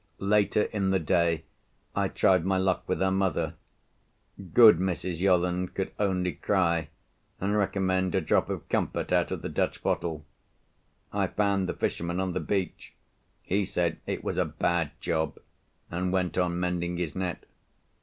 Later in the day, I tried my luck with her mother. Good Mrs. Yolland could only cry, and recommend a drop of comfort out of the Dutch bottle. I found the fisherman on the beach. He said it was "a bad job," and went on mending his net.